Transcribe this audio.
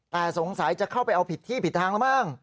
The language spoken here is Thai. แต่สงสัยจะเข้าไปเอาผิดที่ผิดทางแล้วมั้ง